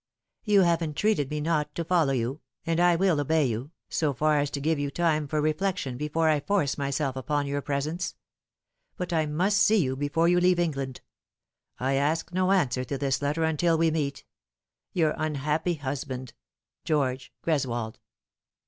You have entreated me not to follow you, and I will obey you, so far as to give you time for reflection before I force myself upon your presence ; but I must see you before you leave England. I ask no answer to this letter until we meet. Your unhappy husband GEOKGE GRESWOLD."